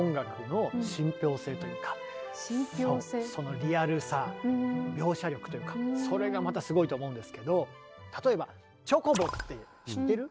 そうそのリアルさ描写力というかそれがまたすごいと思うんですけど例えばチョコボって知ってる？